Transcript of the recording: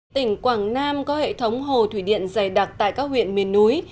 tỉnh quảng nam có hệ thống hồ thủy điện dày đặc tại các huyện miền núi